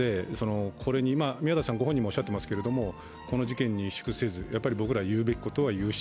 宮台さんご本人もおっしゃっていますけど、この事件に萎縮せず、やっぱり僕ら言うべきことは言うし、